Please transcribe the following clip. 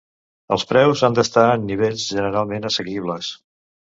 Els preus han d'estar en nivells generalment assequibles.